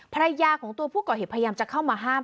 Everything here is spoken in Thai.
ภรรยาของตัวผู้ก่อเหตุพยายามจะเข้ามาห้าม